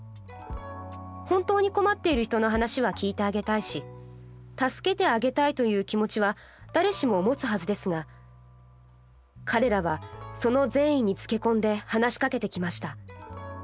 本当に困っている人の話は聞いてあげたいし助けてあげたいという気持ちは誰しも持つはずですが彼らはその善意につけ込んで話しかけてきました。